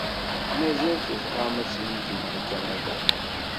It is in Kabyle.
Mazal tebɣam ad tinigem ɣer Kanada?